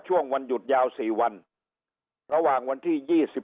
วันหยุดยาว๔วันระหว่างวันที่๒๔